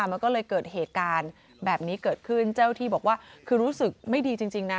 มันก็เลยเกิดเหตุการณ์แบบนี้เกิดขึ้นเจ้าที่บอกว่าคือรู้สึกไม่ดีจริงนะ